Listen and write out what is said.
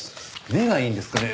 目がいいんですかね？